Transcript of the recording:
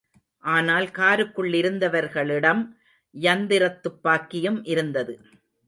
ஆனால் காருக்குள்ளிருந்தவர்களிடம் யந்திரத்துப்பாக்கியும் இருந்தது.